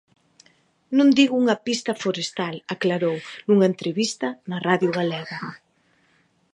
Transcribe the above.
"Non digo unha pista forestal", aclarou, nunha entrevista na Radio Galega.